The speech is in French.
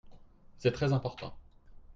C'est très important.